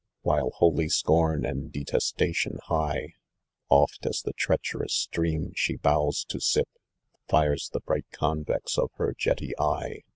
While holy scorn and detestation high, Oft as the treacherous stream she hows to sip, Fires the bright convex of her jetty eye.